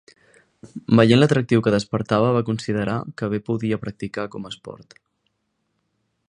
Veient l'atractiu que despertava, va considerar que bé podia practicar com a esport.